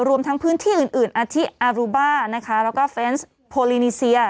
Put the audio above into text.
รวมทั้งพื้นที่อื่นอาทิอารูบ้านะคะแล้วก็เฟนซ์โพลินีเซีย